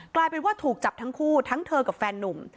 กลายเป็นว่าถูกจับทั้งคู่ทั้งเธอกับแฟนนุ่ม